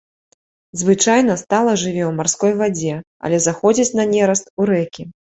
Звычайна стала жыве ў марской вадзе, але заходзіць на нераст у рэкі.